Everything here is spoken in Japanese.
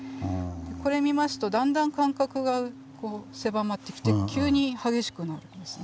これ見ますとだんだん間隔がこう狭まってきて急に激しくなるんですね。